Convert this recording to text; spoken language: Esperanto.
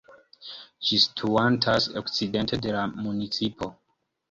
Ĝi situantas okcidente de la municipo.